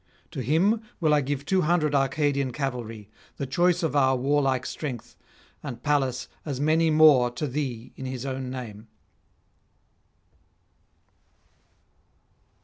To him will I give two hundred Arcadian cavalry, the choice of our warlike strength, and Pallas as many more to thee in his own name.'